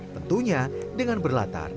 tentunya dengan berlatar